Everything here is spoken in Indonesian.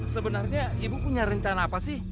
sebenarnya ibu punya rencana apa sih